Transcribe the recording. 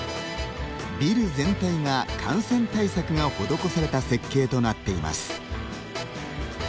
ビル全体が感染対策が施された設計となっています。